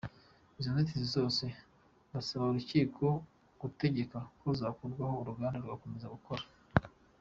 Izo nzitizi zose bagasaba urukiko gutegeka ko zakurwaho uruganda rugakomeza gukora.